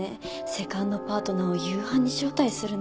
セカンドパートナーを夕飯に招待するなんて。